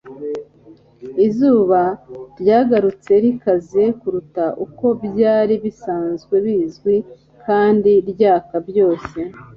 izuba ryagarutse, rikaze kuruta uko byari bisanzwe bizwi, kandi ryaka byose